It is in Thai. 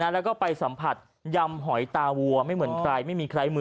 แล้วก็ไปสัมผัสยำหอยตาวัวไม่เหมือนใคร